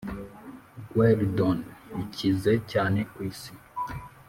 guerdon ikize cyane kwisi